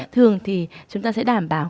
thường thì chúng ta sẽ đảm bảo